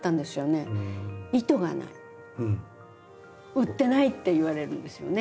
「売ってない」って言われるんですよね。